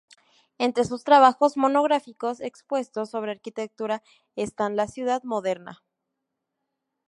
Entre sus trabajos monográficos expuestos sobre arquitectura están "La ciudad moderna.